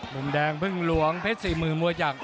มุมแดงพึ่งหลวงเพชร๔๐๐๐มวยจักร